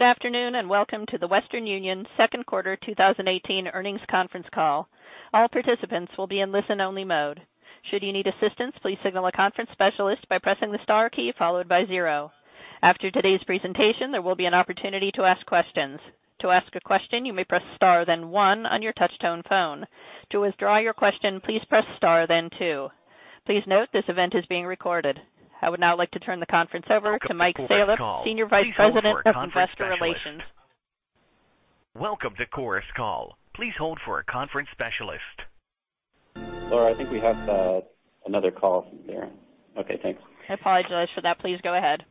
Good afternoon, welcome to the Western Union second quarter 2018 earnings conference call. All participants will be in listen-only mode. Should you need assistance, please signal a conference specialist by pressing the star key followed by zero. After today's presentation, there will be an opportunity to ask questions. To ask a question, you may press star then one on your touchtone phone. To withdraw your question, please press star then two. Please note this event is being recorded. I would now like to turn the conference over to Mike Salop, Senior Vice President of Investor Relations. Welcome to Chorus Call. Please hold for a conference specialist. Welcome to Chorus Call. Please hold for a conference specialist. Laura, I think we have another call from Darrin. Okay, thanks. I apologize for that. Please go ahead.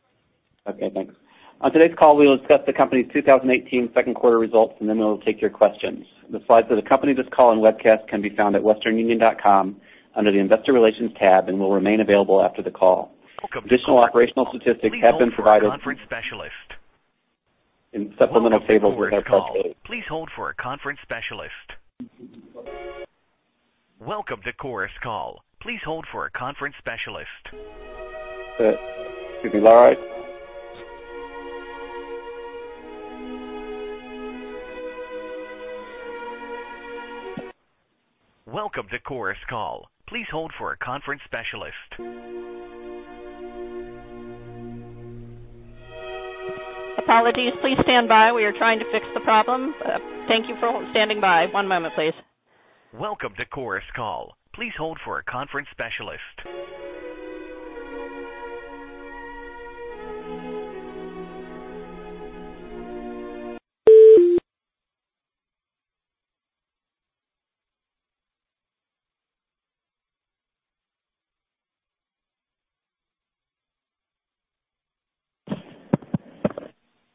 Okay, thanks. On today's call, we will discuss the company's 2018 second quarter results, and then we'll take your questions. The slides for the company, this call, and webcast can be found at westernunion.com under the Investor Relations tab and will remain available after the call. Welcome to Chorus Call. Additional operational statistics have been provided. Please hold for a conference specialist. In supplemental tables without calculating. Welcome to Chorus Call. Please hold for a conference specialist. Welcome to Chorus Call. Please hold for a conference specialist. Welcome to Chorus Call. Please hold for a conference specialist. Apologies. Please stand by. We are trying to fix the problem. Thank you for standing by. One moment, please. Welcome to Chorus Call. Please hold for a conference specialist.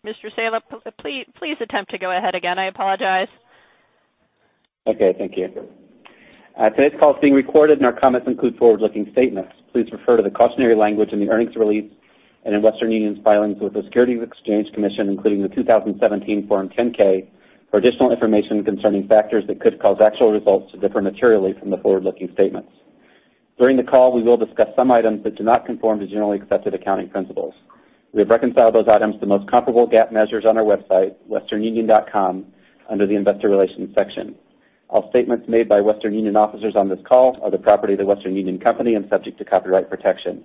Mr. Salop, please attempt to go ahead again. I apologize. Okay, thank you. Today's call is being recorded, and our comments include forward-looking statements. Please refer to the cautionary language in the earnings release and in Western Union's filings with the Securities and Exchange Commission, including the 2017 Form 10-K, for additional information concerning factors that could cause actual results to differ materially from the forward-looking statements. During the call, we will discuss some items that do not conform to generally accepted accounting principles. We have reconciled those items to the most comparable GAAP measures on our website, westernunion.com, under the Investor Relations section. All statements made by Western Union officers on this call are the property of The Western Union Company and subject to copyright protection.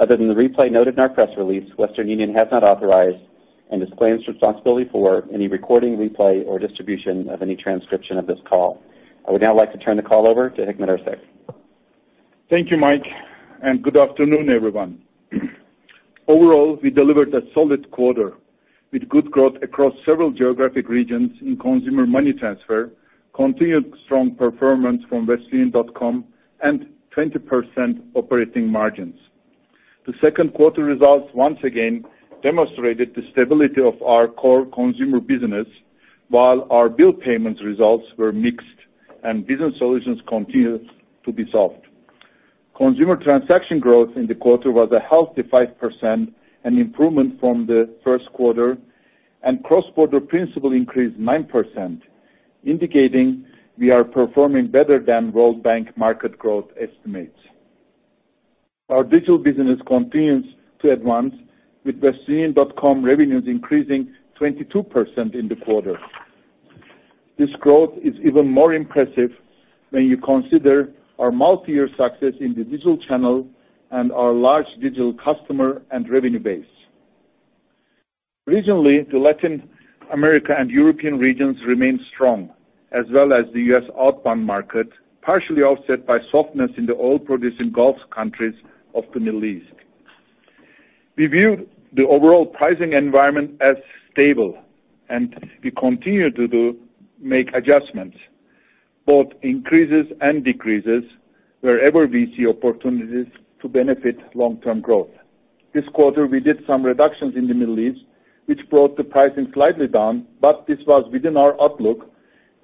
Other than the replay noted in our press release, Western Union has not authorized and disclaims responsibility for any recording, replay, or distribution of any transcription of this call. I would now like to turn the call over to Hikmet Ersek. Thank you, Mike, and good afternoon, everyone. Overall, we delivered a solid quarter with good growth across several geographic regions in consumer money transfer, continued strong performance from westernunion.com, and 20% operating margins. The second quarter results once again demonstrated the stability of our core consumer business while our bill payments results were mixed and business solutions continued to be soft. Consumer transaction growth in the quarter was a healthy 5%, an improvement from the first quarter, and cross-border principal increased 9%, indicating we are performing better than World Bank market growth estimates. Our digital business continues to advance with westernunion.com revenues increasing 22% in the quarter. This growth is even more impressive when you consider our multi-year success in the digital channel and our large digital customer and revenue base. Regionally, the Latin America and European regions remain strong, as well as the U.S. outbound market, partially offset by softness in the oil-producing Gulf countries of the Middle East. We view the overall pricing environment as stable. We continue to make adjustments, both increases and decreases, wherever we see opportunities to benefit long-term growth. This quarter, we did some reductions in the Middle East, which brought the pricing slightly down. This was within our outlook,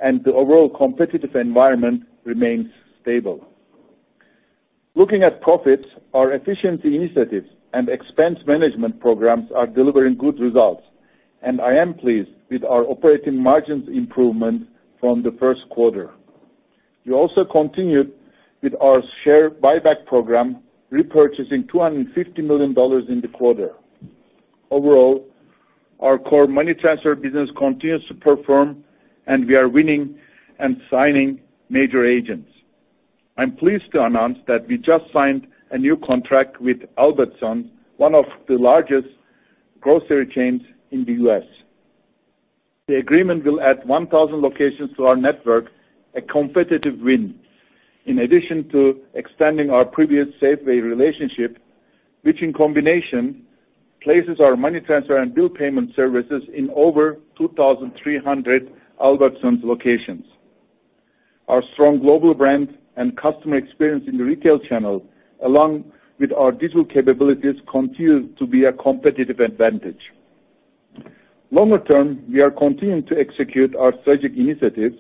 and the overall competitive environment remains stable. Looking at profits, our efficiency initiatives and expense management programs are delivering good results. I am pleased with our operating margins improvement from the first quarter. We also continued with our share buyback program, repurchasing $250 million in the quarter. Overall, our core money transfer business continues to perform. We are winning and signing major agents. I'm pleased to announce that we just signed a new contract with Albertsons, one of the largest grocery chains in the U.S. The agreement will add 1,000 locations to our network, a competitive win. In addition to extending our previous Safeway relationship, which in combination places our money transfer and bill payment services in over 2,300 Albertsons locations. Our strong global brand and customer experience in the retail channel, along with our digital capabilities, continue to be a competitive advantage. Longer term, we are continuing to execute our strategic initiatives,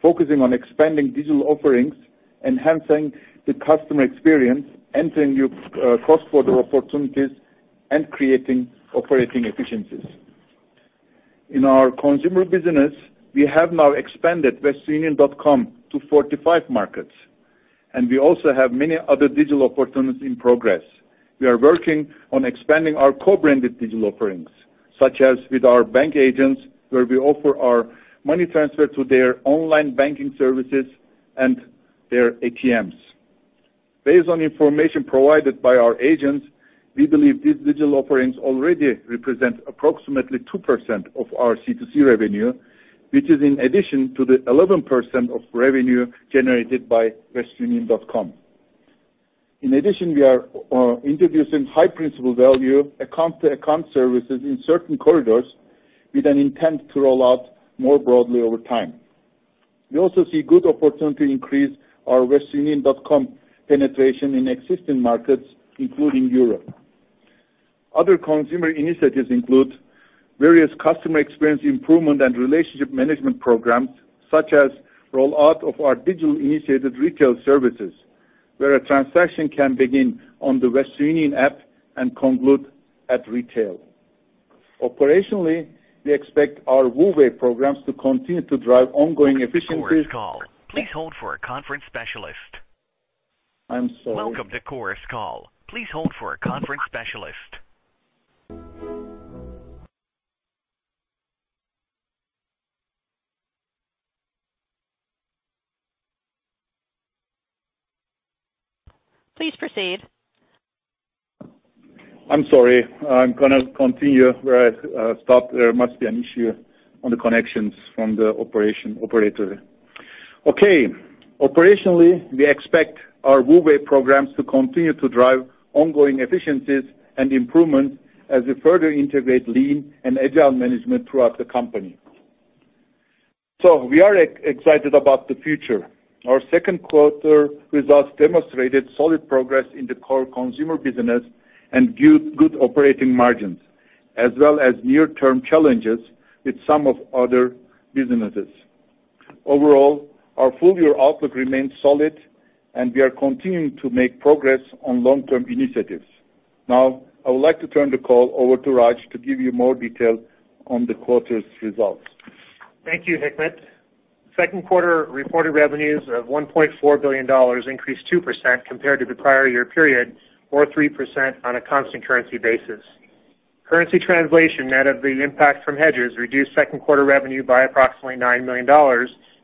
focusing on expanding digital offerings, enhancing the customer experience, entering new cross-border opportunities, and creating operating efficiencies. In our consumer business, we have now expanded westernunion.com to 45 markets. We also have many other digital opportunities in progress. We are working on expanding our co-branded digital offerings, such as with our bank agents, where we offer our money transfer to their online banking services and their ATMs. Based on information provided by our agents, we believe these digital offerings already represent approximately 2% of our C2C revenue, which is in addition to the 11% of revenue generated by westernunion.com. In addition, we are introducing high principal value account-to-account services in certain corridors with an intent to roll out more broadly over time. We also see good opportunity to increase our westernunion.com penetration in existing markets, including Europe. Other consumer initiatives include various customer experience improvement and relationship management programs, such as rollout of our digital-initiated retail services, where a transaction can begin on the Western Union app and conclude at retail. Operationally, we expect our WU Way programs to continue to drive ongoing efficiencies- Conference call. Please hold for a conference specialist. I'm sorry. Welcome to Chorus Call. Please hold for a conference specialist. Please proceed. I'm sorry. I'm going to continue where I stopped. There must be an issue on the connections from the operator. Okay. Operationally, we expect our WU Way programs to continue to drive ongoing efficiencies and improvements as we further integrate lean and agile management throughout the company. We are excited about the future. Our second quarter results demonstrated solid progress in the core consumer business and good operating margins, as well as near-term challenges with some of other businesses. Overall, our full-year outlook remains solid, and we are continuing to make progress on long-term initiatives. Now, I would like to turn the call over to Raj to give you more detail on the quarter's results. Thank you, Hikmet. Second quarter reported revenues of $1.4 billion increased 2% compared to the prior year period, or 3% on a constant currency basis. Currency translation net of the impact from hedges reduced second quarter revenue by approximately $9 million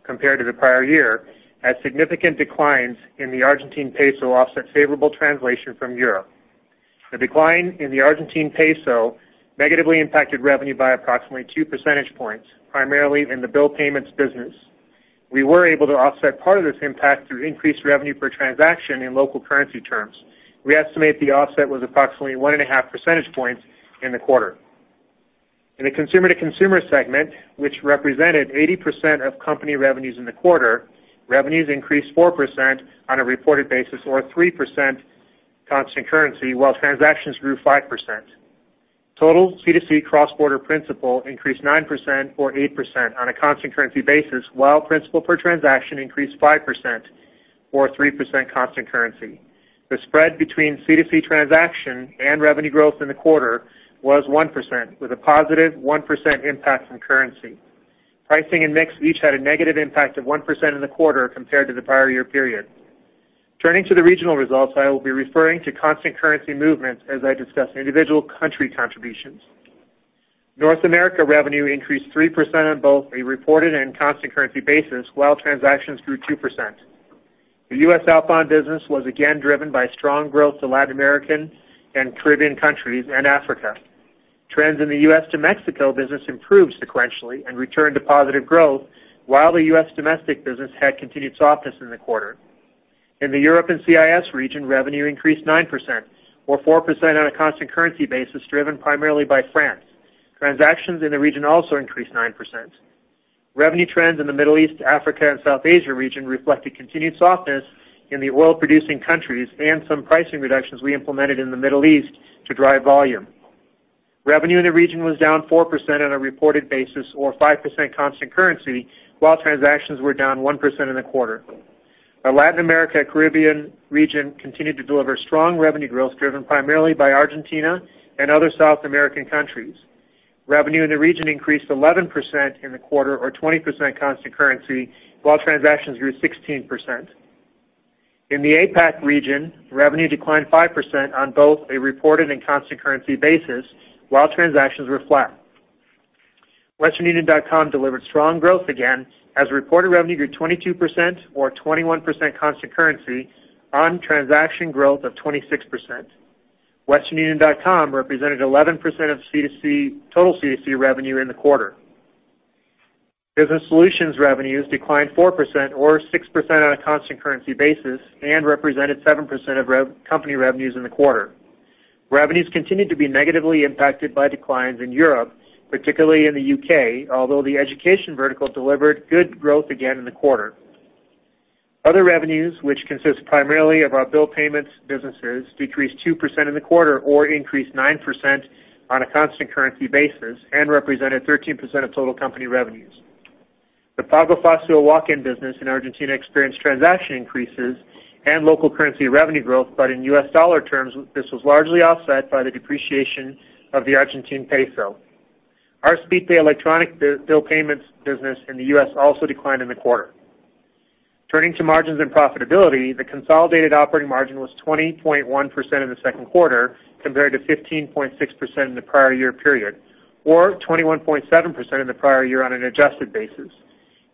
compared to the prior year, as significant declines in the Argentine peso offset favorable translation from Europe. The decline in the Argentine peso negatively impacted revenue by approximately two percentage points, primarily in the bill payments business. We were able to offset part of this impact through increased revenue per transaction in local currency terms. We estimate the offset was approximately one and a half percentage points in the quarter. In the Consumer-to-Consumer segment, which represented 80% of company revenues in the quarter, revenues increased 4% on a reported basis or 3% constant currency, while transactions grew 5%. Total C2C cross-border principal increased 9% or 8% on a constant currency basis, while principal per transaction increased 5% or 3% constant currency. The spread between C2C transaction and revenue growth in the quarter was 1%, with a positive 1% impact from currency. Pricing and mix each had a negative impact of 1% in the quarter compared to the prior year period. Turning to the regional results, I will be referring to constant currency movements as I discuss individual country contributions. North America revenue increased 3% on both a reported and constant currency basis, while transactions grew 2%. The U.S. outbound business was again driven by strong growth to Latin American and Caribbean countries and Africa. Trends in the U.S. to Mexico business improved sequentially and returned to positive growth, while the U.S. domestic business had continued softness in the quarter. In the Europe and CIS region, revenue increased 9%, or 4% on a constant currency basis, driven primarily by France. Transactions in the region also increased 9%. Revenue trends in the Middle East, Africa, and South Asia region reflected continued softness in the oil-producing countries and some pricing reductions we implemented in the Middle East to drive volume. Revenue in the region was down 4% on a reported basis or 5% constant currency, while transactions were down 1% in the quarter. Our Latin America Caribbean region continued to deliver strong revenue growth, driven primarily by Argentina and other South American countries. Revenue in the region increased 11% in the quarter or 20% constant currency, while transactions grew 16%. In the APAC region, revenue declined 5% on both a reported and constant currency basis, while transactions were flat. westernunion.com delivered strong growth again as reported revenue grew 22% or 21% constant currency on transaction growth of 26%. westernunion.com represented 11% of total C2C revenue in the quarter. Business Solutions revenues declined 4% or 6% on a constant currency basis and represented 7% of company revenues in the quarter. Revenues continued to be negatively impacted by declines in Europe, particularly in the U.K., although the education vertical delivered good growth again in the quarter. Other revenues, which consist primarily of our bill payments businesses, decreased 2% in the quarter or increased 9% on a constant currency basis and represented 13% of total company revenues. The Pago Fácil walk-in business in Argentina experienced transaction increases and local currency revenue growth, but in U.S. dollar terms, this was largely offset by the depreciation of the Argentine peso. Our Speedpay electronic bill payments business in the U.S. also declined in the quarter. Turning to margins and profitability, the consolidated operating margin was 20.1% in the second quarter compared to 15.6% in the prior year period, or 21.7% in the prior year on an adjusted basis.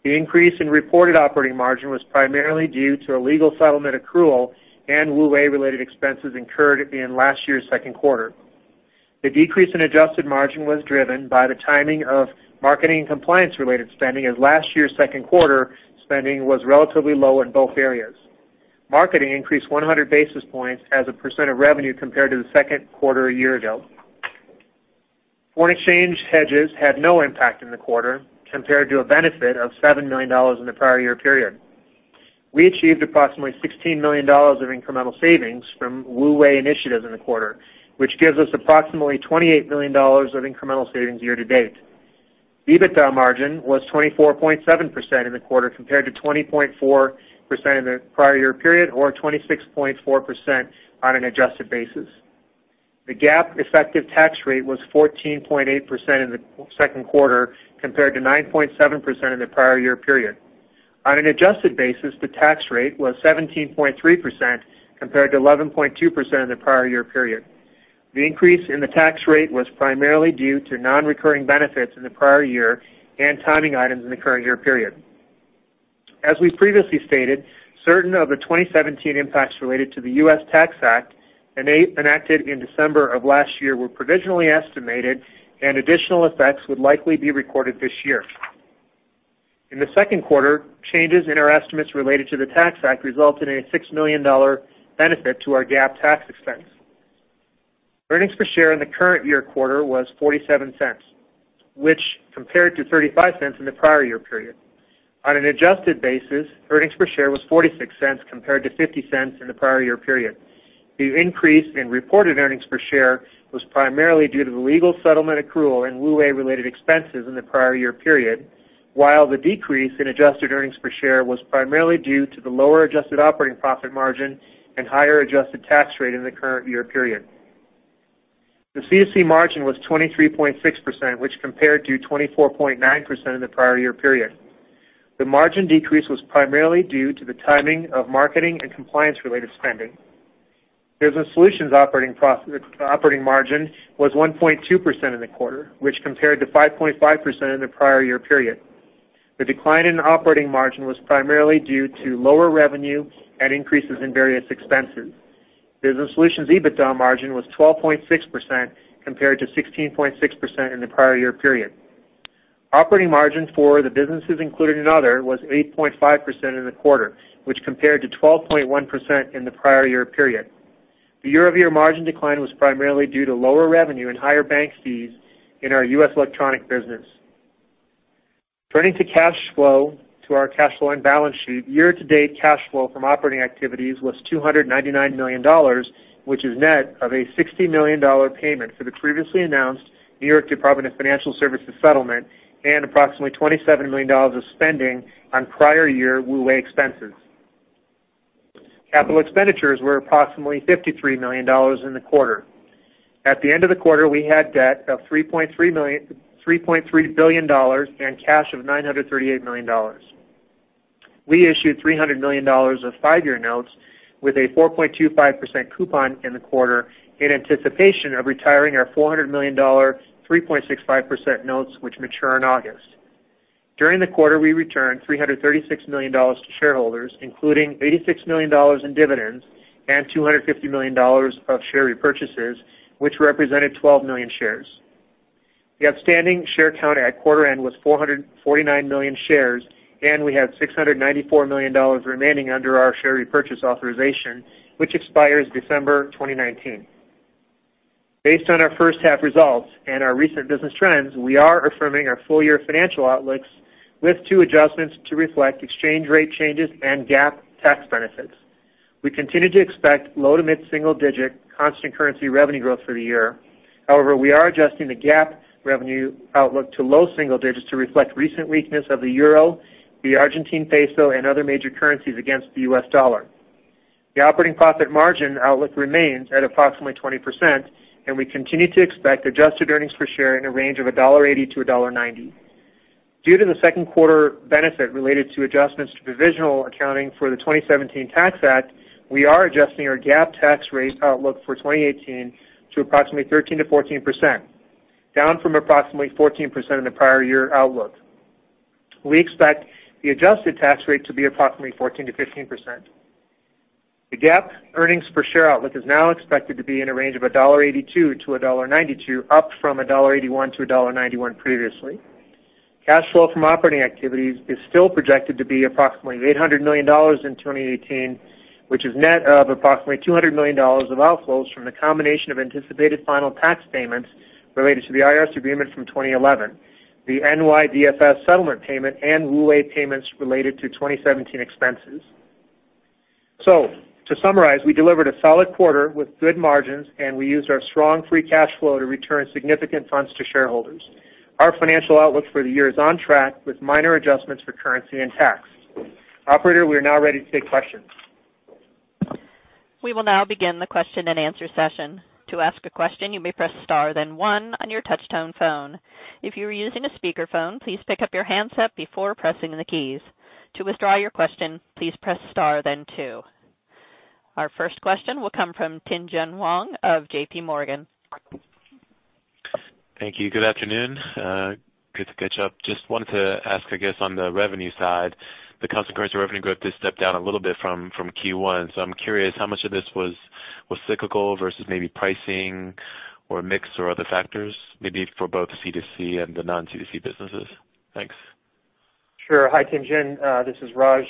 The increase in reported operating margin was primarily due to a legal settlement accrual and WU Way-related expenses incurred in last year's second quarter. The decrease in adjusted margin was driven by the timing of marketing and compliance-related spending, as last year's second quarter spending was relatively low in both areas. Marketing increased 100 basis points as a percent of revenue compared to the second quarter a year ago. Foreign exchange hedges had no impact in the quarter compared to a benefit of $7 million in the prior year period. We achieved approximately $16 million of incremental savings from WU Way initiatives in the quarter, which gives us approximately $28 million of incremental savings year-to-date. EBITDA margin was 24.7% in the quarter compared to 20.4% in the prior year period or 26.4% on an adjusted basis. The GAAP effective tax rate was 14.8% in the second quarter compared to 9.7% in the prior year period. On an adjusted basis, the tax rate was 17.3% compared to 11.2% in the prior year period. The increase in the tax rate was primarily due to non-recurring benefits in the prior year and timing items in the current year period. As we previously stated, certain of the 2017 impacts related to the U.S. Tax Act enacted in December of last year were provisionally estimated and additional effects would likely be recorded this year. In the second quarter, changes in our estimates related to the Tax Act resulted in a $6 million benefit to our GAAP tax expense. Earnings per share in the current year quarter was $0.47, which compared to $0.35 in the prior year period. On an adjusted basis, earnings per share was $0.46 compared to $0.50 in the prior year period. The increase in reported earnings per share was primarily due to the legal settlement accrual in WU Way-related expenses in the prior year period, while the decrease in adjusted earnings per share was primarily due to the lower adjusted operating profit margin and higher adjusted tax rate in the current year period. The C2C margin was 23.6%, which compared to 24.9% in the prior year period. The margin decrease was primarily due to the timing of marketing and compliance-related spending. Business Solutions operating margin was 1.2% in the quarter, which compared to 5.5% in the prior year period. The decline in operating margin was primarily due to lower revenue and increases in various expenses. Business Solutions EBITDA margin was 12.6% compared to 16.6% in the prior year period. Operating margin for the businesses included in other was 8.5% in the quarter, which compared to 12.1% in the prior year period. The year-over-year margin decline was primarily due to lower revenue and higher bank fees in our U.S. electronic business. Turning to our cash flow and balance sheet, year-to-date cash flow from operating activities was $299 million, which is net of a $60 million payment for the previously announced New York State Department of Financial Services settlement and approximately $27 million of spending on prior year WU Way expenses. Capital expenditures were approximately $53 million in the quarter. At the end of the quarter, we had debt of $3.3 billion and cash of $938 million. We issued $300 million of 5-year notes with a 4.25% coupon in the quarter in anticipation of retiring our $400 million 3.65% notes which mature in August. During the quarter, we returned $336 million to shareholders, including $86 million in dividends and $250 million of share repurchases, which represented 12 million shares. The outstanding share count at quarter end was 449 million shares, and we had $694 million remaining under our share repurchase authorization, which expires December 2019. Based on our first half results and our recent business trends, we are affirming our full-year financial outlooks with two adjustments to reflect exchange rate changes and GAAP tax benefits. We continue to expect low to mid single digit constant currency revenue growth for the year. we are adjusting the GAAP revenue outlook to low single digits to reflect recent weakness of the euro, the Argentine peso, and other major currencies against the U.S. dollar. The operating profit margin outlook remains at approximately 20%, and we continue to expect adjusted earnings per share in a range of $1.80-$1.90. Due to the second quarter benefit related to adjustments to provisional accounting for the 2017 Tax Act, we are adjusting our GAAP tax rate outlook for 2018 to approximately 13%-14%, down from approximately 14% in the prior year outlook. We expect the adjusted tax rate to be approximately 14%-15%. The GAAP earnings per share outlook is now expected to be in a range of $1.82-$1.92, up from $1.81-$1.91 previously. Cash flow from operating activities is still projected to be approximately $800 million in 2018, which is net of approximately $200 million of outflows from the combination of anticipated final tax payments related to the IRS agreement from 2011, the NYDFS settlement payment, and WU Way payments related to 2017 expenses. To summarize, we delivered a solid quarter with good margins, and we used our strong free cash flow to return significant funds to shareholders. Our financial outlook for the year is on track with minor adjustments for currency and tax. Operator, we are now ready to take questions. We will now begin the question and answer session. To ask a question, you may press star then one on your touch-tone phone. If you are using a speakerphone, please pick up your handset before pressing the keys. To withdraw your question, please press star then two. Our first question will come from Tien-Tsin Huang of JP Morgan. Thank you. Good afternoon. Good to catch up. Just wanted to ask, I guess, on the revenue side. The customer revenue growth did step down a little bit from Q1. I'm curious how much of this was cyclical versus maybe pricing or mix or other factors, maybe for both C2C and the non-C2C businesses? Thanks. Sure. Hi, Tien-Tsin. This is Raj.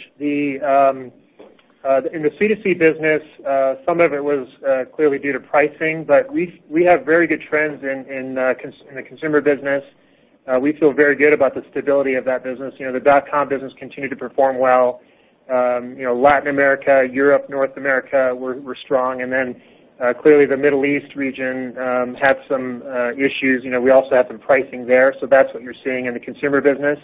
In the C2C business, some of it was clearly due to pricing, but we have very good trends in the consumer business. We feel very good about the stability of that business. The .com business continued to perform well. Latin America, Europe, North America were strong. Clearly the Middle East region had some issues. We also had some pricing there. That's what you're seeing in the consumer business.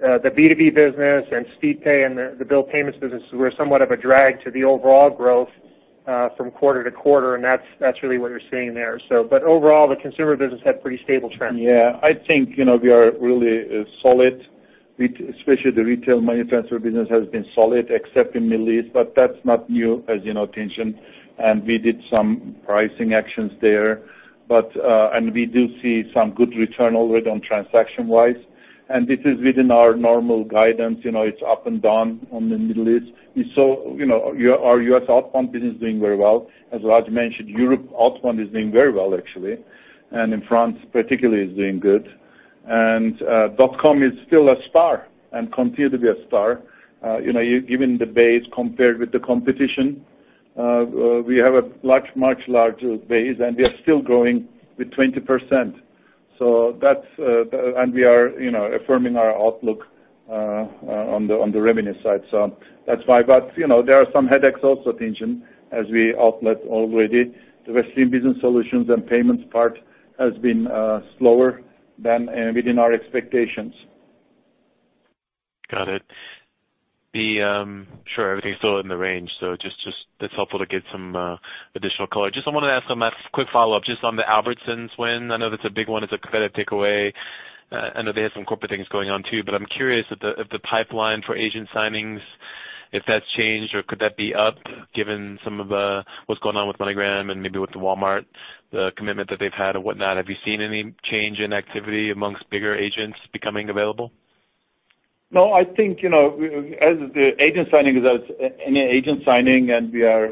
The B2B business and Speedpay and the bill payments businesses were somewhat of a drag to the overall growth from quarter to quarter, and that's really what you're seeing there. Overall, the consumer business had pretty stable trends. Yeah, I think we are really solid, especially the retail money transfer business has been solid except in Middle East, that's not new, as you know, Tien-Tsin, we did some pricing actions there. We do see some good return already on transaction-wise, this is within our normal guidance. It's up and down on the Middle East. Our U.S. outbound business is doing very well. As Raj mentioned, Europe outbound is doing very well actually, in France particularly is doing good. .com is still a star and continue to be a star. Given the base compared with the competition, we have a much larger base, we are still growing with 20%. We are affirming our outlook on the revenue side. That's why. There are some headaches also, Tien-Tsin, as we outlined already. The Western Union Business Solutions and payments part has been slower than within our expectations. Got it. Sure, everything's still in the range. It's helpful to get some additional color. I wanted to ask a quick follow-up just on the Albertsons win. I know that's a big one. It's a competitive takeaway. I know they have some corporate things going on, too. I'm curious if the pipeline for agent signings, if that's changed or could that be up given some of what's going on with MoneyGram and maybe with Walmart, the commitment that they've had or whatnot. Have you seen any change in activity amongst bigger agents becoming available? No. I think as the agent signing, we are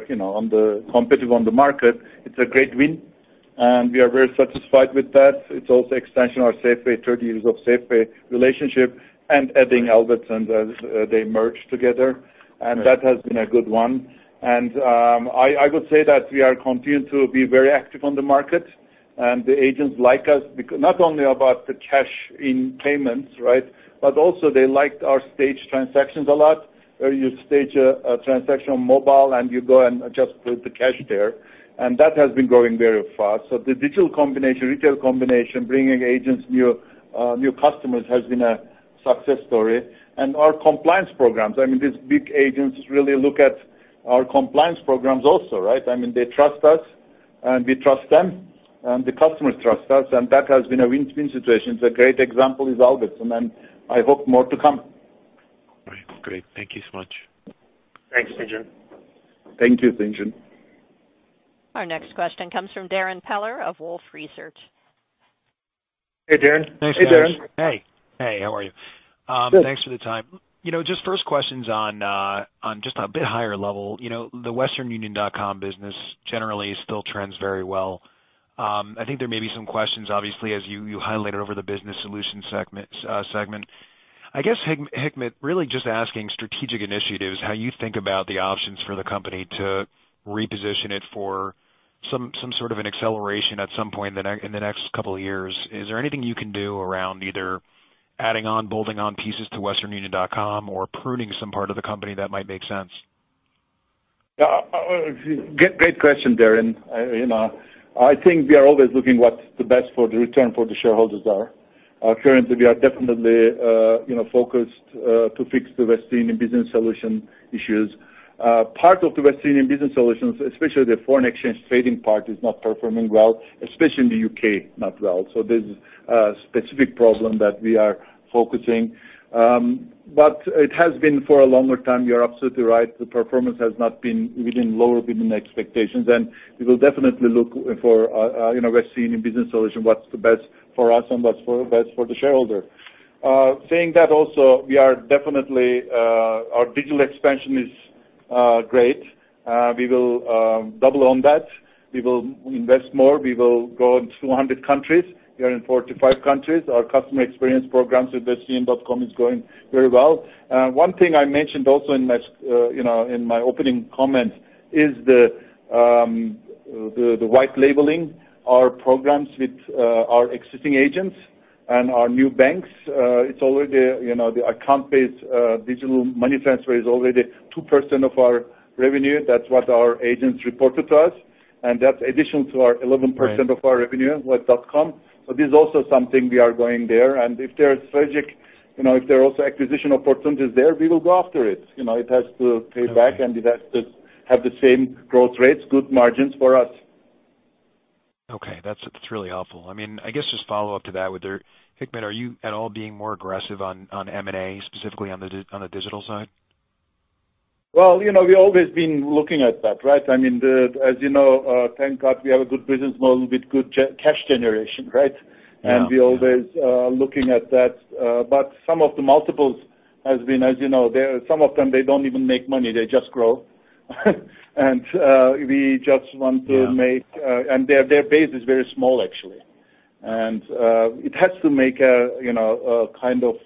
competitive on the market, it's a great win, and we are very satisfied with that. It's also extension of our Safeway, 30 years of Safeway relationship and adding Albertsons as they merge together. That has been a good one. I would say that we are continuing to be very active on the market, and the agents like us, not only about the cash-in payments. Also they liked our stage transactions a lot, where you stage a transaction on mobile, and you go and just put the cash there. That has been growing very fast. The digital combination, retail combination, bringing agents new customers has been a success story. Our compliance programs, these big agents really look at our compliance programs also. They trust us, and we trust them, and the customers trust us. That has been a win-win situation. A great example is Albertsons. I hope more to come. Great. Thank you so much. Thanks, Tien-Tsin. Thank you, Tien-Tsin. Our next question comes from Darrin Peller of Wolfe Research. Hey, Darrin. Thanks, Darrin. Hey. How are you? Good. Thanks for the time. Just first questions on just a bit higher level. The westernunion.com business generally still trends very well. I think there may be some questions, obviously, as you highlighted over the Western Union Business Solutions segment. I guess, Hikmet, really just asking strategic initiatives, how you think about the options for the company to reposition it for some sort of an acceleration at some point in the next couple of years. Is there anything you can do around either adding on, building on pieces to westernunion.com or pruning some part of the company that might make sense? Great question, Darrin. I think we are always looking what's the best for the return for the shareholders are. Currently, we are definitely focused to fix the Western Union Business Solutions issues. Part of the Western Union Business Solutions, especially the foreign exchange trading part, is not performing well, especially in the U.K., not well. There's a specific problem that we are focusing. It has been for a longer time, you're absolutely right, the performance has not been within lower within expectations, and we will definitely look for Western Union Business Solutions, what's the best for us and what's for the best for the shareholder. Saying that also, our digital expansion is great. We will double on that. We will invest more. We will go in 200 countries. We are in 45 countries. Our customer experience programs with westernunion.com is going very well. One thing I mentioned also in my opening comments is the white labeling our programs with our existing agents and our new banks. The account-based digital money transfer is already 2% of our revenue. That's what our agents reported to us. That's additional to our 11% of our revenue with dotcom, but it's also something we are going there. If there are strategic, if there are also acquisition opportunities there, we will go after it. It has to pay back, and it has to have the same growth rates, good margins for us. Okay. That's really helpful. I guess just follow up to that with Hikmet, are you at all being more aggressive on M&A, specifically on the digital side? Well, we've always been looking at that, right? As you know, thank God we have a good business model with good cash generation, right? Yeah. We're always looking at that. Some of the multiples have been, as you know, some of them, they don't even make money. They just grow. We just want to make- Yeah. Their base is very small, actually. It has to make a kind of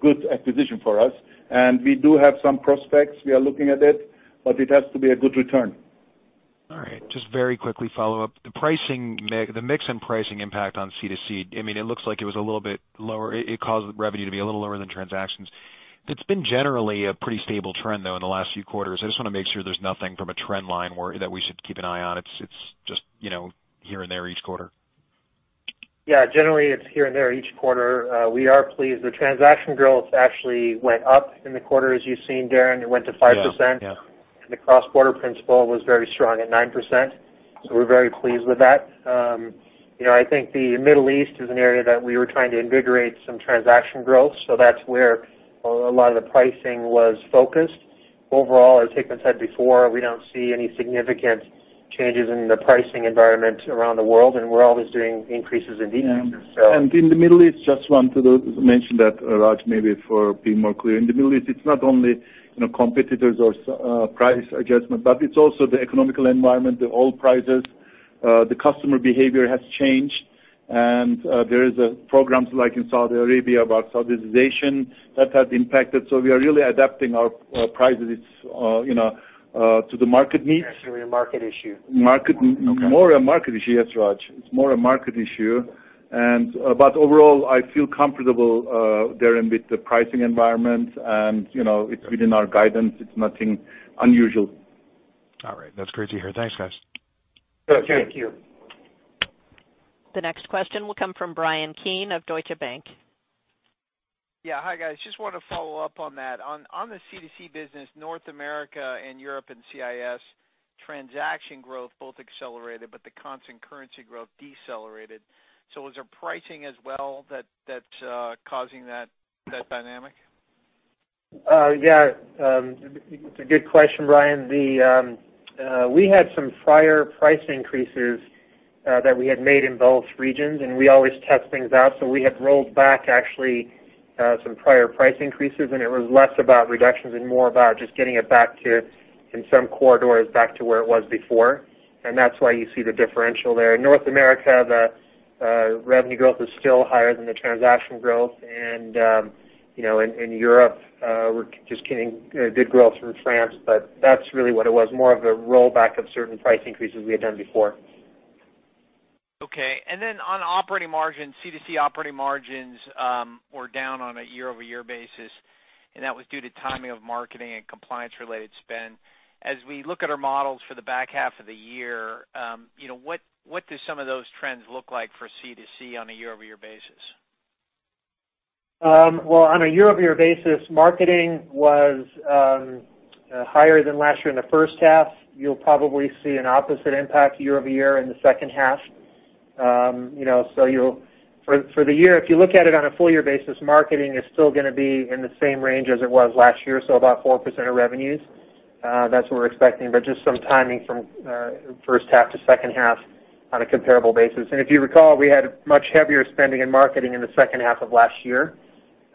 good acquisition for us. We do have some prospects. We are looking at it, but it has to be a good return. All right. Just very quickly follow up. The mix and pricing impact on C2C, it looks like it was a little bit lower. It caused revenue to be a little lower than transactions. It's been generally a pretty stable trend, though, in the last few quarters. I just want to make sure there's nothing from a trend line that we should keep an eye on. It's just here and there each quarter. Yeah. Generally, it's here and there each quarter. We are pleased. The transaction growth actually went up in the quarter, as you've seen, Darrin. It went to 5%. Yeah. The cross-border principle was very strong at 9%, so we're very pleased with that. I think the Middle East is an area that we were trying to invigorate some transaction growth, so that's where a lot of the pricing was focused. Overall, as Hikmet said before, we don't see any significant changes in the pricing environment around the world, and we're always doing increases. In the Middle East, just want to mention that, Raj, maybe for being more clear. In the Middle East, it's not only competitors or price adjustment, but it's also the economic environment, the oil prices. The customer behavior has changed, and there is programs like in Saudi Arabia about Saudization that have impacted. We are really adapting our prices to the market needs. Actually a market issue. More a market issue. Yes, Raj. It's more a market issue. Overall, I feel comfortable, Darrin, with the pricing environment, and it's within our guidance. It's nothing unusual. All right. That's great to hear. Thanks, guys. Okay. Thank you. The next question will come from Bryan Keane of Deutsche Bank. Yeah. Hi, guys. Just want to follow up on that. On the C2C business, North America and Europe and CIS, transaction growth both accelerated, but the constant currency growth decelerated. Is there pricing as well that's causing that dynamic? Yeah. It's a good question, Bryan. We had some prior price increases that we had made in both regions, we always test things out. We had rolled back actually some prior price increases, it was less about reductions and more about just getting it back to, in some corridors, back to where it was before. That's why you see the differential there. In North America, the revenue growth is still higher than the transaction growth. In Europe, we're just getting good growth from France, but that's really what it was, more of a rollback of certain price increases we had done before. Okay. On operating margin, C2C operating margins were down on a year-over-year basis, and that was due to timing of marketing and compliance-related spend. As we look at our models for the back half of the year, what do some of those trends look like for C2C on a year-over-year basis? Well, on a year-over-year basis, marketing was higher than last year in the first half. You'll probably see an opposite impact year-over-year in the second half. For the year, if you look at it on a full-year basis, marketing is still going to be in the same range as it was last year, so about 4% of revenues. That's what we're expecting, but just some timing from first half to second half on a comparable basis. If you recall, we had much heavier spending in marketing in the second half of last year.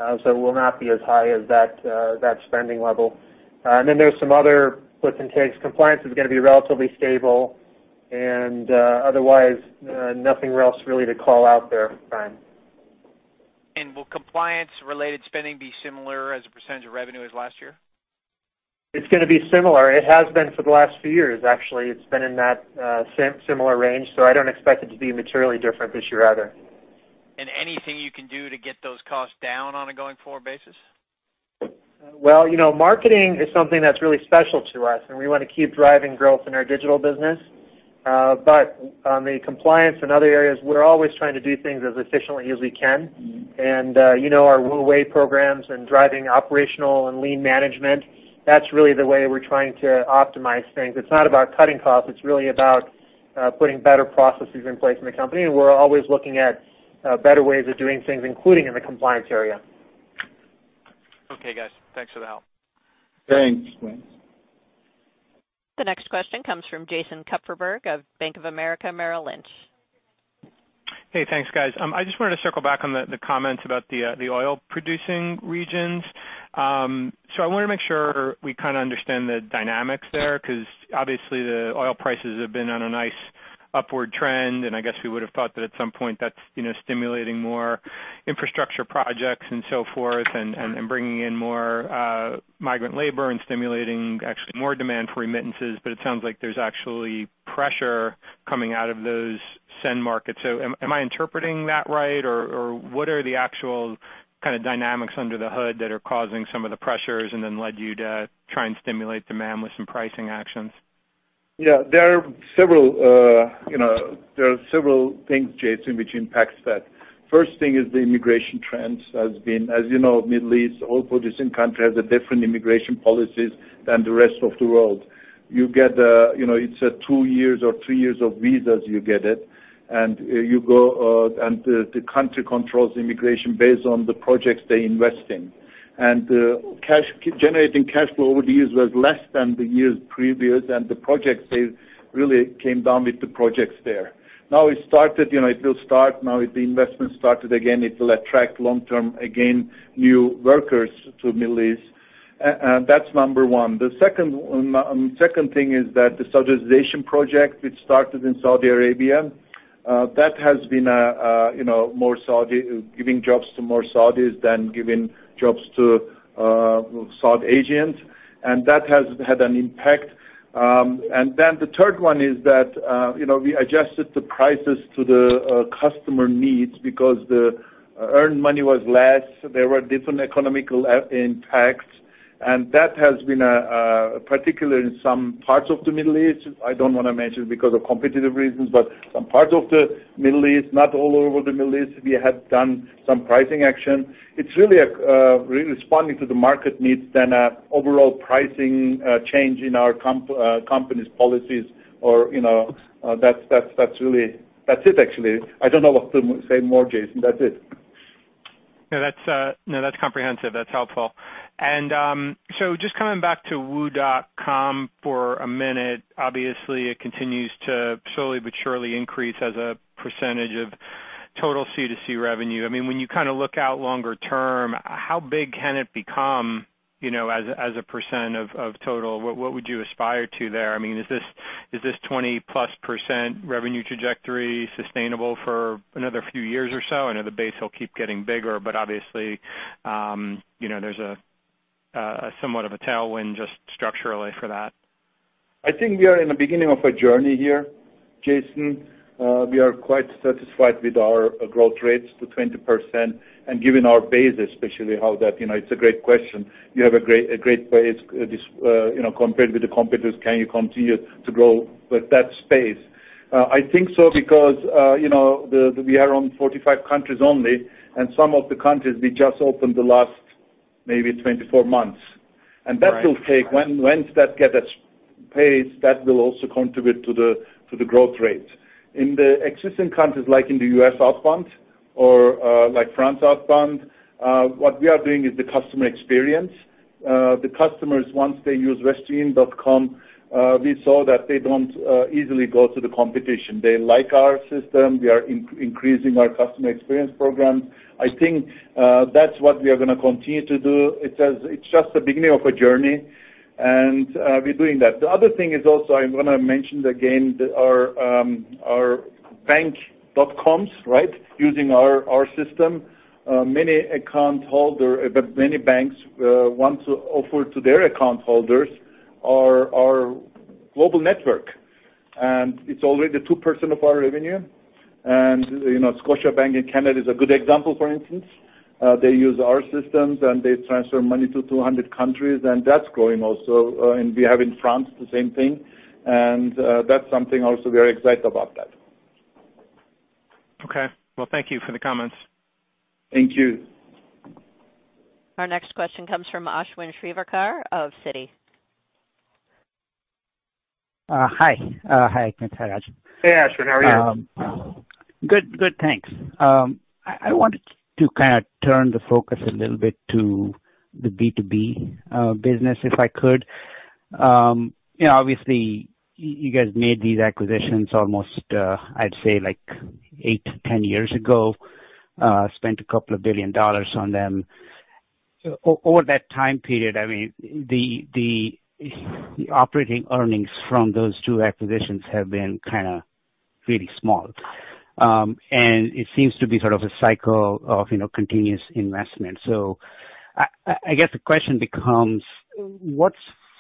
It will not be as high as that spending level. There's some other gives and takes. Compliance is going to be relatively stable, and otherwise, nothing else really to call out there, Bryan. Will compliance-related spending be similar as a % of revenue as last year? It's going to be similar. It has been for the last few years, actually. It's been in that similar range, I don't expect it to be materially different this year either. anything you can do to get those costs down on a going-forward basis? Well, marketing is something that's really special to us, and we want to keep driving growth in our digital business. On the compliance and other areas, we're always trying to do things as efficiently as we can. Our WU Way programs and driving operational and lean management, that's really the way we're trying to optimize things. It's not about cutting costs. It's really about putting better processes in place in the company, and we're always looking at better ways of doing things, including in the compliance area. Okay, guys. Thanks for the help. Thanks, Bryan. The next question comes from Jason Kupferberg of Bank of America Merrill Lynch. Hey. Thanks, guys. I just wanted to circle back on the comments about the oil-producing regions. I want to make sure we kind of understand the dynamics there, because obviously the oil prices have been on a nice upward trend, I guess we would have thought that at some point that's stimulating more infrastructure projects and so forth, bringing in more migrant labor and stimulating actually more demand for remittances. It sounds like there's actually pressure coming out of those send markets. Am I interpreting that right, or what are the actual kind of dynamics under the hood that are causing some of the pressures and then led you to try and stimulate demand with some pricing actions? Yeah, there are several things, Jason, which impacts that. First thing is the immigration trends has been, as you know, Middle East, oil-producing countries have different immigration policies than the rest of the world. It's a two years or three years of visas you get it. The country controls immigration based on the projects they invest in. Generating cash flow over the years was less than the years previous. They really came down with the projects there. Now it will start. Now the investment started again. It will attract long-term, again, new workers to Middle East. That's number 1. The second thing is that the Saudization project, which started in Saudi Arabia, that has been giving jobs to more Saudis than giving jobs to South Asians, that has had an impact. The third one is that we adjusted the prices to the customer needs because the earned money was less. There were different economical impacts, that has been particular in some parts of the Middle East. I don't want to mention because of competitive reasons, some parts of the Middle East, not all over the Middle East, we have done some pricing action. It's really responding to the market needs than an overall pricing change in our company's policies or that's it, actually. I don't know what to say more, Jason. That's it. No, that's comprehensive. That's helpful. Just coming back to WU.com for a minute, obviously, it continues to slowly but surely increase as a % of total C2C revenue. When you look out longer term, how big can it become as a % of total? What would you aspire to there? Is this 20-plus % revenue trajectory sustainable for another few years or so? I know the base will keep getting bigger, but obviously, there's somewhat of a tailwind just structurally for that. I think we are in the beginning of a journey here, Jason. We are quite satisfied with our growth rates to 20%. It's a great question. You have a great base compared with the competitors. Can you continue to grow with that space? I think so because we are on 45 countries only, and some of the countries we just opened the last maybe 24 months. Right. Once that gets paced, that will also contribute to the growth rate. In the existing countries, like in the U.S. outbound or like France outbound, what we are doing is the customer experience. The customers, once they use westernunion.com, we saw that they don't easily go to the competition. They like our system. We are increasing our customer experience program. I think that's what we are going to continue to do. It's just the beginning of a journey, and we're doing that. The other thing is also, I'm going to mention again our bank dot coms using our system. Many banks want to offer to their account holders our global network, and it's already 2% of our revenue. Scotiabank in Canada is a good example, for instance. They use our systems, they transfer money to 200 countries, that's growing also, we have in France the same thing. That's something also we are excited about that. Okay. Well, thank you for the comments. Thank you. Our next question comes from Ashwin Shirvaikar of Citi. Hi, Hikmet Ersek. Hey, Ashwin. How are you? Good, thanks. I wanted to turn the focus a little bit to the B2B business, if I could. Obviously, you guys made these acquisitions almost, I'd say, eight to 10 years ago, spent a couple of billion dollars on them. Over that time period, the operating earnings from those two acquisitions have been really small. It seems to be sort of a cycle of continuous investment. I guess the question becomes, what's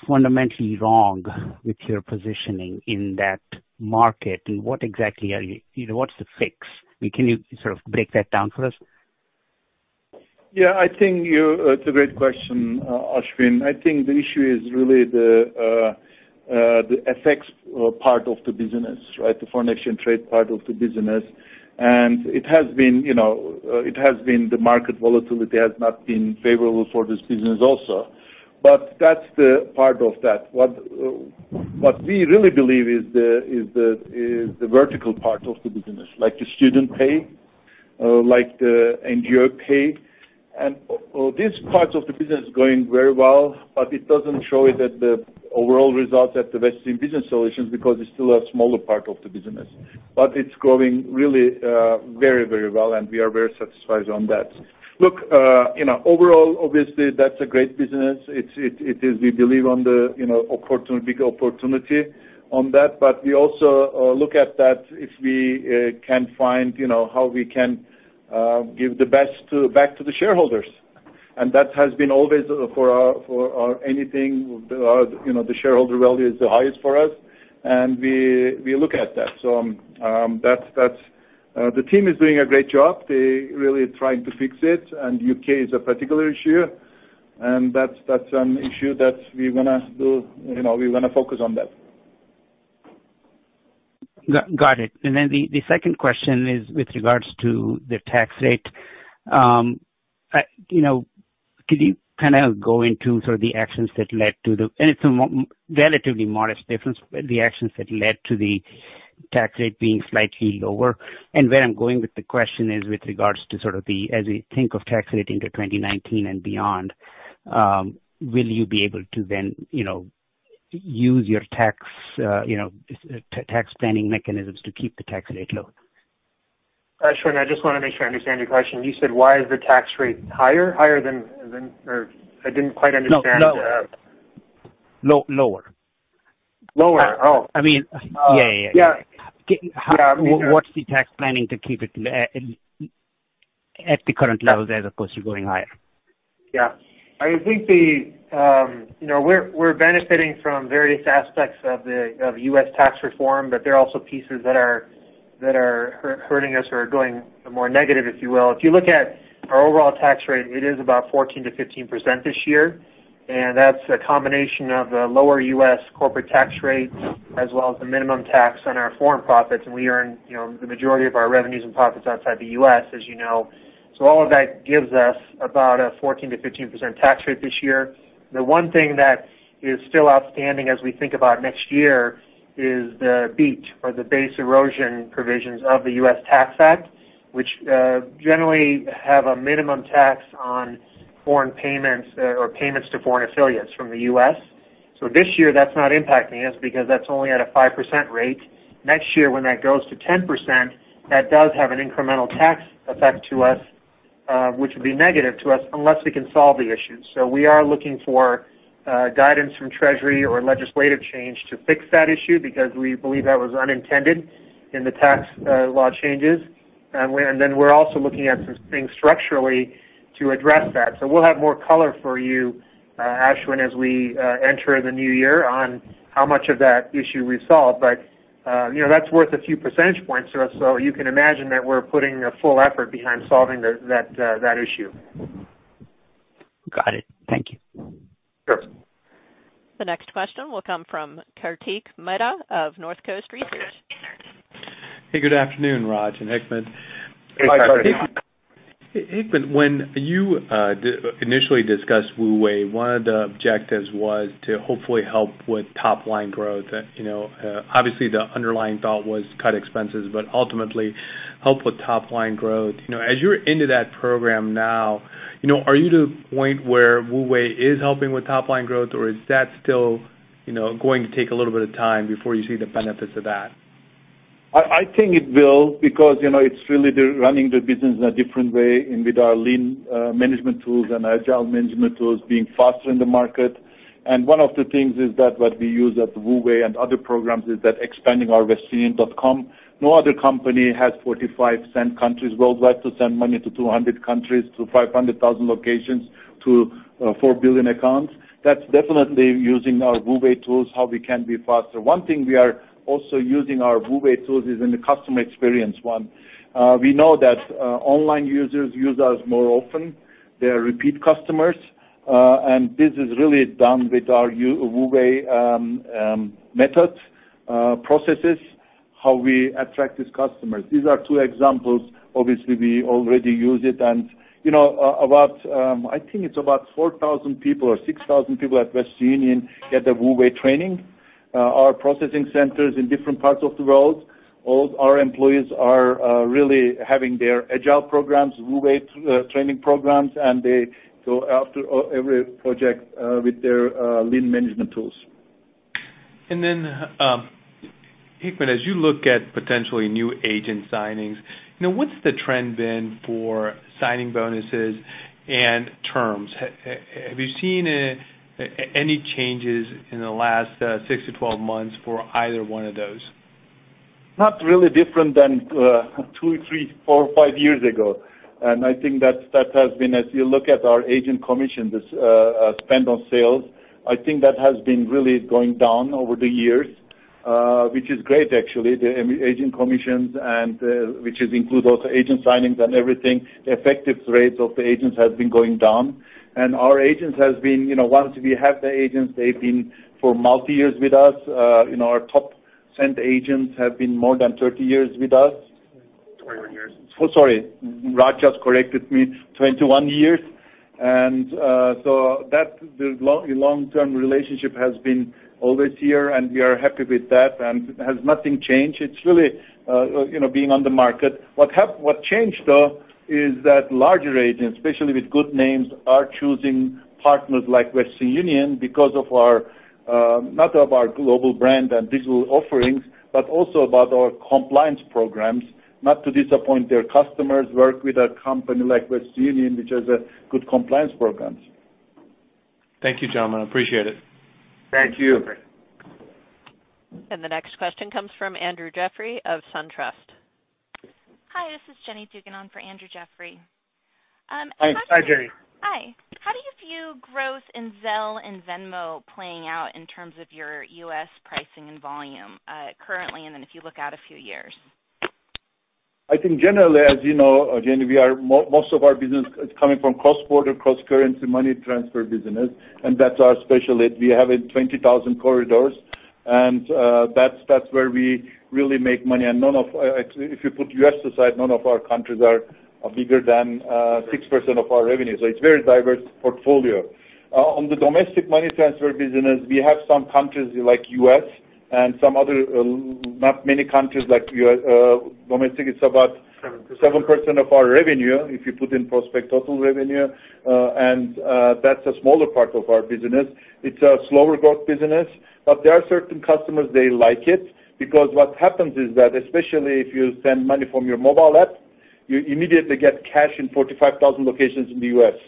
fundamentally wrong with your positioning in that market, and what's the fix? Can you sort of break that down for us? Yeah, I think it's a great question, Ashwin. I think the issue is really the FX part of the business, the foreign exchange trade part of the business. It has been the market volatility has not been favorable for this business also. That's the part of that. What we really believe is the vertical part of the business, like the student pay, like the NGO pay. This part of the business is going very well, but it doesn't show it at the overall results at the Western Business Solutions because it's still a smaller part of the business. It's growing really very well, and we are very satisfied on that. Look, overall, obviously, that's a great business. We believe on the big opportunity on that, but we also look at that if we can find how we can give the best back to the shareholders. That has been always for anything, the shareholder value is the highest for us, and we look at that. The team is doing a great job. They really trying to fix it, and U.K. is a particular issue That's an issue that we're going to focus on that. Got it. Then the second question is with regards to the tax rate. Could you go into the actions that led to the and it's a relatively modest difference, but the actions that led to the tax rate being slightly lower. Where I'm going with the question is with regards to as we think of tax rate into 2019 and beyond, will you be able to then use your tax planning mechanisms to keep the tax rate low? Ashwin, I just want to make sure I understand your question. You said why is the tax rate higher? I didn't quite understand. No, lower. Lower. Oh. I mean, yeah. Yeah. What's the tax planning to keep it at the current level there, as opposed to going higher? I think we're benefiting from various aspects of the U.S. tax reform, but there are also pieces that are hurting us or are going more negative, if you will. If you look at our overall tax rate, it is about 14%-15% this year, and that's a combination of the lower U.S. corporate tax rates as well as the minimum tax on our foreign profits, and we earn the majority of our revenues and profits outside the U.S., as you know. All of that gives us about a 14%-15% tax rate this year. The one thing that is still outstanding as we think about next year is the BEAT or the base erosion provisions of the U.S. Tax Act, which generally have a minimum tax on foreign payments or payments to foreign affiliates from the U.S. This year, that's not impacting us because that's only at a 5% rate. Next year, when that goes to 10%, that does have an incremental tax effect to us, which would be negative to us unless we can solve the issue. We are looking for guidance from Treasury or legislative change to fix that issue because we believe that was unintended in the tax law changes. We're also looking at some things structurally to address that. We'll have more color for you, Ashwin, as we enter the new year on how much of that issue we solve. That's worth a few percentage points to us, so you can imagine that we're putting a full effort behind solving that issue. Got it. Thank you. Sure. The next question will come from Kartik Mehta of Northcoast Research. Hey, good afternoon, Raj and Hikmet. Hi, Kartik. Hey, Kartik. Hikmet, when you initially discussed WU Way, one of the objectives was to hopefully help with top-line growth. The underlying thought was cut expenses, but ultimately help with top-line growth. As you're into that program now, are you to the point where WU Way is helping with top-line growth, or is that still going to take a little bit of time before you see the benefits of that? I think it will because it's really running the business in a different way with our lean management tools and agile management tools being faster in the market. One of the things is that what we use at WU Way and other programs is that expanding our westernunion.com. No other company has 45 send countries worldwide to send money to 200 countries, to 500,000 locations, to 4 billion accounts. That's definitely using our WU Way tools, how we can be faster. One thing we are also using our WU Way tools is in the customer experience one. We know that online users use us more often. They are repeat customers. This is really done with our WU Way methods, processes, how we attract these customers. These are two examples. We already use it, and I think it's about 4,000 people or 6,000 people at Western Union get the WU Way training. Our processing centers in different parts of the world, all our employees are really having their agile programs, WU Way training programs, and they go after every project with their lean management tools. Hikmet, as you look at potentially new agent signings, what's the trend been for signing bonuses and terms? Have you seen any changes in the last 6-12 months for either one of those? Not really different than two, three, four, five years ago. I think that has been as you look at our agent commissions, spend on sales, really going down over the years, which is great, actually, the agent commissions and which includes also agent signings and everything. The effective rates of the agents has been going down, and our agents have been, once we have the agents, they've been for multi years with us. Our top send agents have been more than 30 years with us. 21 years. Sorry. Raj just corrected me, 21 years. That long-term relationship has been all this year, and we are happy with that, and has nothing changed. It's really being on the market. What changed, though, is that larger agents, especially with good names, are choosing partners like Western Union not of our global brand and digital offerings, but also about our compliance programs, not to disappoint their customers, work with a company like Western Union, which has a good compliance programs. Thank you, gentlemen. I appreciate it. Thank you. Thank you. The next question comes from Andrew Jeffrey of SunTrust. Hi, this is Jenny Dugan on for Andrew Jeffrey. Hi, Jenny. Hi. How do you view growth in Zelle and Venmo playing out in terms of your U.S. pricing and volume currently, and then if you look out a few years? I think generally, as you know, Jenny, most of our business is coming from cross-border, cross-currency money transfer business, and that's our specialty. We have 20,000 corridors, and that's where we really make money. If you put the U.S. aside, none of our countries are bigger than 6% of our revenue. It's a very diverse portfolio. On the domestic money transfer business, we have some countries like the U.S. and some other, not many countries like U.S. domestic. 7% 7% of our revenue if you put in prospect total revenue, that's a smaller part of our business. It's a slower growth business, but there are certain customers, they like it because what happens is that, especially if you send money from your mobile app, you immediately get cash in 45,000 locations in the U.S.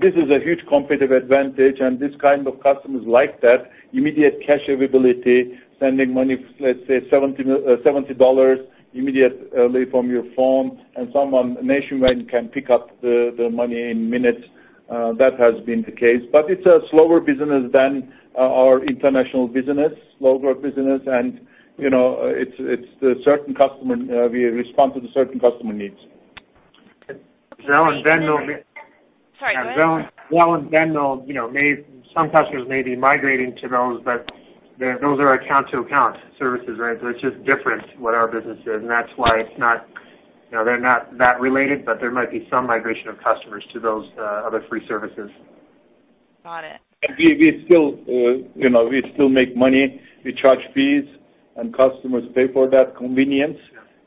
This is a huge competitive advantage, and these kind of customers like that immediate cash availability, sending money, let's say $70 immediately from your phone, and someone nationwide can pick up the money in minutes. That has been the case. It's a slower business than our international business, slower growth business, and we respond to the certain customer needs. Zelle and Venmo Sorry, what? Zelle and Venmo. Some customers may be migrating to those, but those are account-to-account services, right? It's just different to what our business is, and that's why they're not that related, but there might be some migration of customers to those other free services. Got it. We still make money. We charge fees, customers pay for that convenience.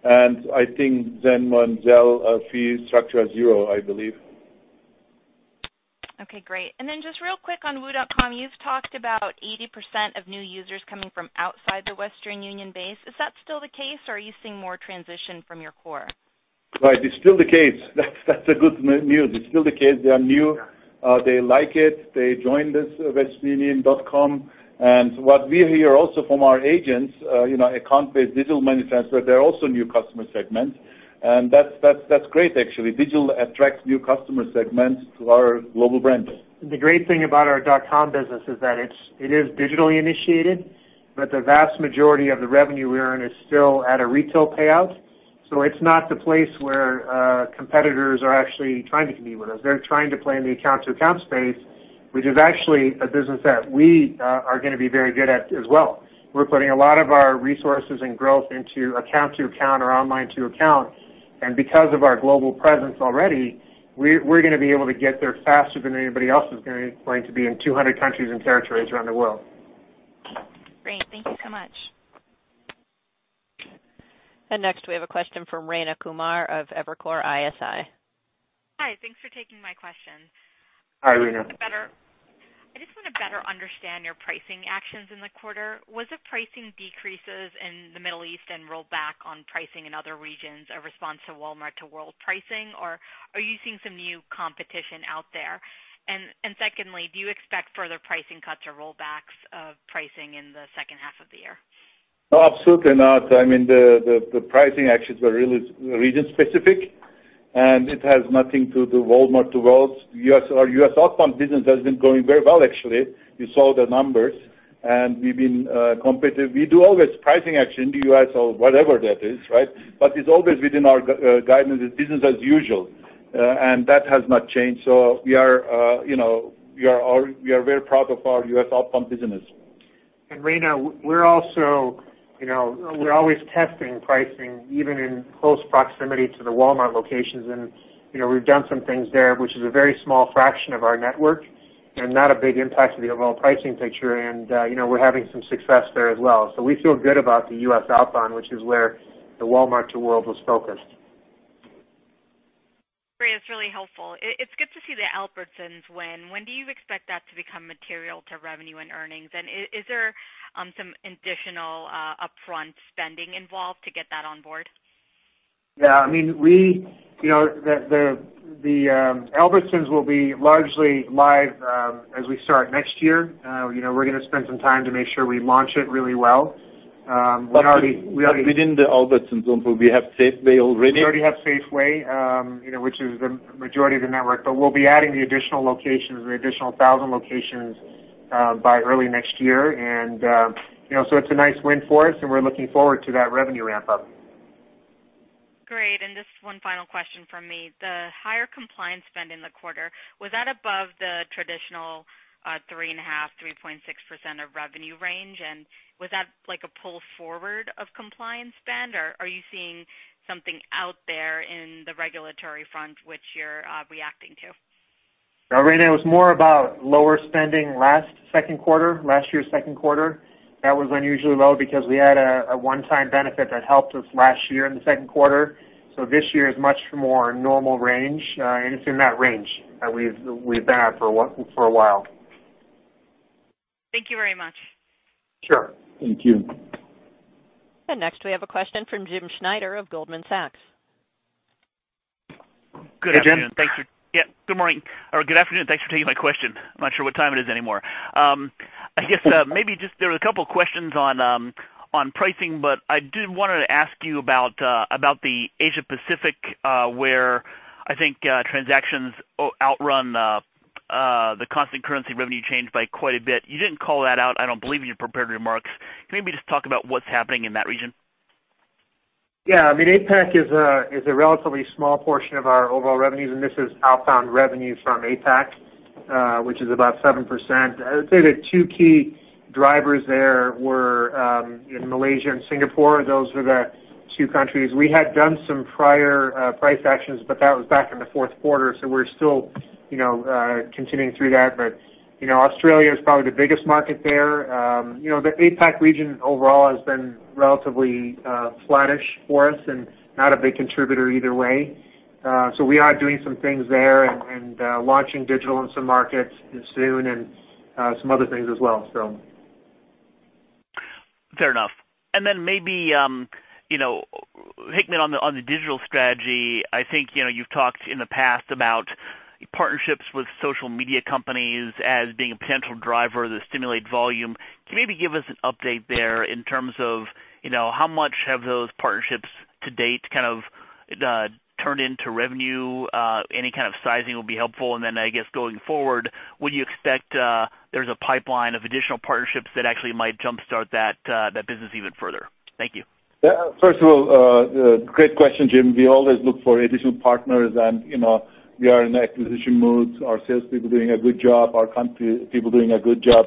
Yeah. I think Venmo and Zelle fee structure is zero, I believe. Okay, great. Then just real quick on WU.com, you've talked about 80% of new users coming from outside the Western Union base. Is that still the case, or are you seeing more transition from your core? Right. It's still the case. That's a good news. It's still the case. They are new. They like it. They join this westernunion.com. What we hear also from our agents, account-based digital money transfer, they're also a new customer segment, and that's great actually. Digital attracts new customer segments to our global brand. The great thing about our .com business is that it is digitally initiated, but the vast majority of the revenue we earn is still at a retail payout. It's not the place where competitors are actually trying to compete with us. They're trying to play in the account-to-account space, which is actually a business that we are going to be very good at as well. We're putting a lot of our resources and growth into account-to-account or online-to-account. Because of our global presence already, we're going to be able to get there faster than anybody else is going to be in 200 countries and territories around the world. Great. Thank you so much. Next we have a question from Rayna Kumar of Evercore ISI. Hi. Thanks for taking my questions. Hi, Rayna. I just want to better understand your pricing actions in the quarter. Was the pricing decreases in the Middle East and rollback on pricing in other regions a response to Walmart2World pricing, or are you seeing some new competition out there? Secondly, do you expect further pricing cuts or rollbacks of pricing in the second half of the year? No, absolutely not. The pricing actions were really region-specific. It has nothing to do with Walmart2World. Our U.S. outbound business has been growing very well, actually. You saw the numbers. We've been competitive. We do always pricing action in the U.S. or whatever that is, right? It's always within our guidance. It's business as usual. That has not changed. We are very proud of our U.S. outbound business. Rayna, we're always testing pricing, even in close proximity to the Walmart locations. We've done some things there, which is a very small fraction of our network and not a big impact to the overall pricing picture. We're having some success there as well. We feel good about the U.S. outbound, which is where the Walmart2World was focused. Great. That's really helpful. It's good to see the Albertsons win. When do you expect that to become material to revenue and earnings? Is there some additional upfront spending involved to get that on board? Yeah. The Albertsons will be largely live as we start next year. We're going to spend some time to make sure we launch it really well. Within the Albertsons group, we have Safeway already. We already have Safeway, which is the majority of the network. We'll be adding the additional locations, the additional 1,000 locations by early next year. It's a nice win for us, and we're looking forward to that revenue ramp-up. Great. Just one final question from me. The higher compliance spend in the quarter, was that above the traditional 3.5%-3.6% of revenue range? Was that like a pull forward of compliance spend, or are you seeing something out there in the regulatory front which you're reacting to? No, Rayna, it was more about lower spending last second quarter, last year's second quarter. That was unusually low because we had a one-time benefit that helped us last year in the second quarter. This year is much more normal range. It's in that range that we've been at for a while. Thank you very much. Sure. Thank you. Next we have a question from James Schneider of Goldman Sachs. Hi, Jim. Good afternoon. Thanks for taking my question. I'm not sure what time it is anymore. There were a couple questions on pricing, I did want to ask you about the Asia-Pacific, where I think transactions outrun the constant currency revenue changed by quite a bit. You didn't call that out, I don't believe, in your prepared remarks. Can you maybe just talk about what's happening in that region? APAC is a relatively small portion of our overall revenues, and this is outbound revenue from APAC, which is about 7%. I would say the two key drivers there were in Malaysia and Singapore. Those were the two countries. We had done some prior price actions, but that was back in the fourth quarter, so we're still continuing through that. Australia is probably the biggest market there. The APAC region overall has been relatively flattish for us and not a big contributor either way. We are doing some things there and launching digital in some markets soon and some other things as well. Fair enough. Maybe Hikmet on the digital strategy, I think you've talked in the past about partnerships with social media companies as being a potential driver to stimulate volume. Can you maybe give us an update there in terms of how much have those partnerships to date turned into revenue? Any kind of sizing will be helpful. I guess going forward, would you expect there's a pipeline of additional partnerships that actually might jumpstart that business even further? Thank you. First of all, great question, Jim. We always look for additional partners, and we are in acquisition mode. Our sales people are doing a good job, our country people doing a good job.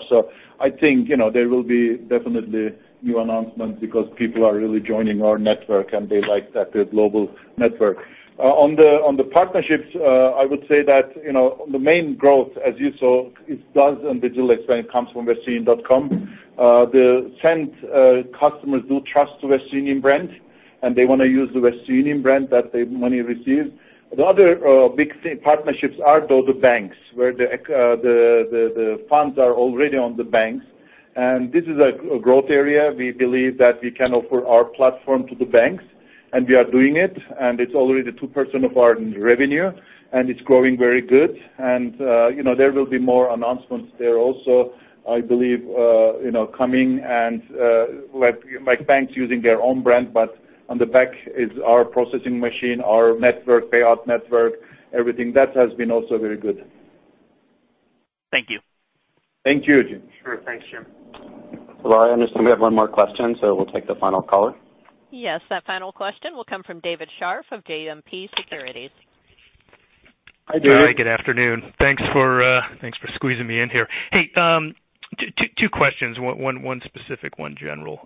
I think there will be definitely new announcements because people are really joining our network, and they like that global network. On the partnerships, I would say that the main growth, as you saw it does on digital expansion, comes from westernunion.com. The send customers do trust the Western Union brand, and they want to use the Western Union brand that the money received. The other big partnerships are those with banks, where the funds are already on the banks, and this is a growth area. We believe that we can offer our platform to the banks, and we are doing it, and it's already 2% of our revenue, and it's growing very good. There will be more announcements there also, I believe, coming and like banks using their own brand, but on the back is our processing machine, our payout network, everything. That has been also very good. Thank you. Thank you, Jim. Sure. Thanks, Jim. Operator, I understand we have one more question. We'll take the final caller. Yes. That final question will come from David Scharf of JMP Securities. Hi, David. Hi, good afternoon. Thanks for squeezing me in here. Hey, two questions, one specific, one general.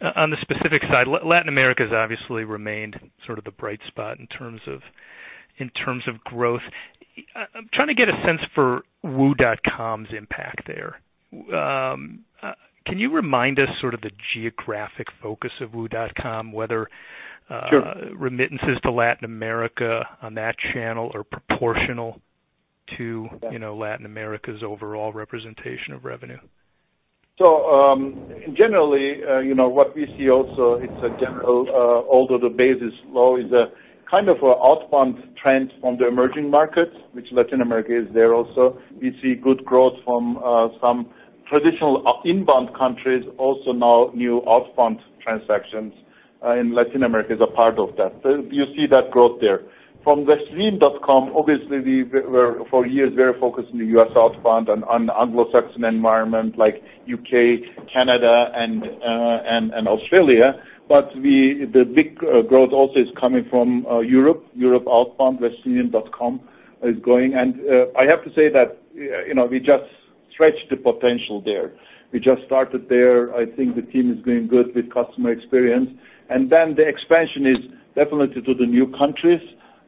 On the specific side, Latin America's obviously remained sort of the bright spot in terms of growth. I'm trying to get a sense for WU.com's impact there. Can you remind us sort of the geographic focus of WU.com, whether- Sure remittances to Latin America on that channel are proportional to Latin America's overall representation of revenue? Generally, what we see also, it's a general, although the base is low, kind of outbound trend from the emerging markets, which Latin America is there also. We see good growth from some traditional inbound countries, also now new outbound transactions, and Latin America is a part of that. You see that growth there. From WU.com, obviously we were for years very focused on the U.S. outbound and Anglo-Saxon environment like U.K., Canada, and Australia. The big growth also is coming from Europe outbound, WU.com is growing. I have to say that we just scratched the potential there. We just started there. I think the team is doing good with customer experience. The expansion is definitely to the new countries,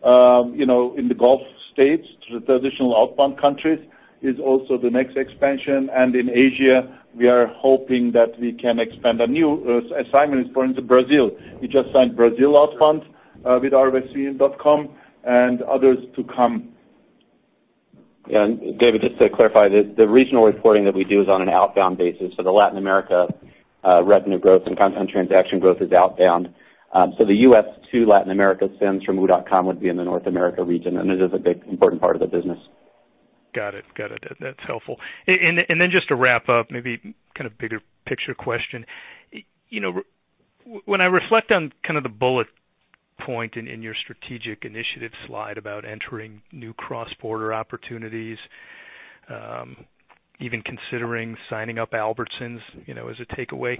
in the Gulf states, to the traditional outbound countries is also the next expansion. In Asia, we are hoping that we can expand. A new assignment is going to Brazil. We just signed Brazil outbound with our WU.com and others to come. David, just to clarify, the regional reporting that we do is on an outbound basis. The Latin America revenue growth and transaction growth is outbound. The U.S. to Latin America sends from WU.com would be in the North America region, and it is a big, important part of the business. Got it. That's helpful. Just to wrap up, maybe kind of bigger picture question. When I reflect on kind of the bullet point in your strategic initiative slide about entering new cross-border opportunities, even considering signing up Albertsons as a takeaway.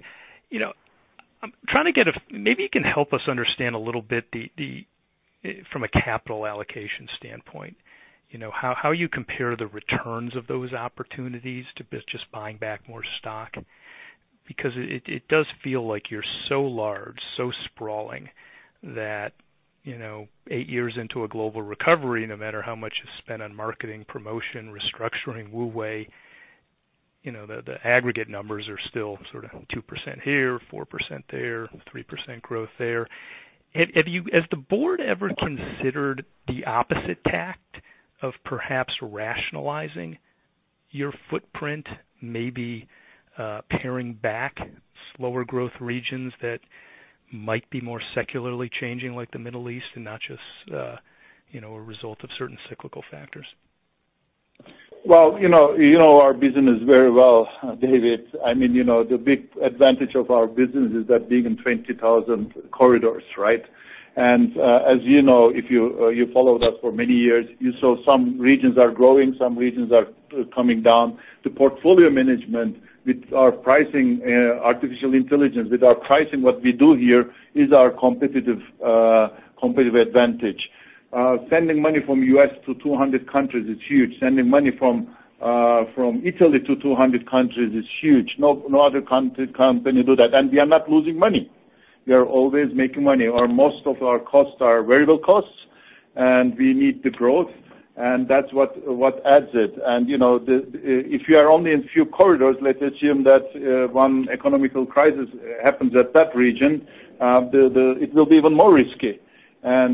Maybe you can help us understand a little bit from a capital allocation standpoint, how you compare the returns of those opportunities to just buying back more stock. It does feel like you're so large, so sprawling that eight years into a global recovery, no matter how much you spend on marketing, promotion, restructuring WU Way, the aggregate numbers are still sort of 2% here, 4% there, 3% growth there. Has the board ever considered the opposite tact of perhaps rationalizing your footprint, maybe paring back slower growth regions that might be more secularly changing, like the Middle East, not just a result of certain cyclical factors? Well, you know our business very well, David. The big advantage of our business is that being in 20,000 corridors, right? As you know, if you followed us for many years, you saw some regions are growing, some regions are coming down. The portfolio management with our pricing artificial intelligence, with our pricing what we do here is our competitive advantage. Sending money from U.S. to 200 countries is huge. Sending money from Italy to 200 countries is huge. No other company do that, we are not losing money. We are always making money, or most of our costs are variable costs, we need the growth, that's what adds it. If you are only in few corridors, let's assume that one economic crisis happens at that region, it will be even more risky.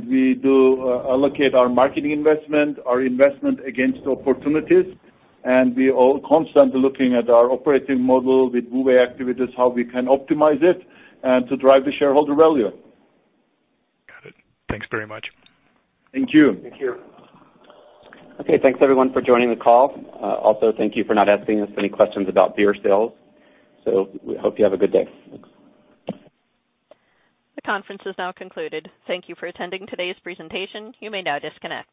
We do allocate our marketing investment, our investment against opportunities, we are constantly looking at our operating model with WU Way activities, how we can optimize it, to drive the shareholder value. Got it. Thanks very much. Thank you. Thank you. Okay, thanks everyone for joining the call. Also, thank you for not asking us any questions about beer sales. We hope you have a good day. The conference is now concluded. Thank you for attending today's presentation. You may now disconnect.